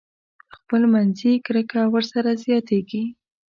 خپل منځي کرکه ورسره زياتېږي.